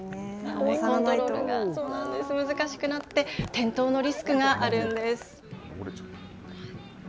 コントロールがそうなんです、難しくなって、転倒のリスクがあるんです。